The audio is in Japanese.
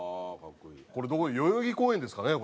これどこ代々木公園ですかね？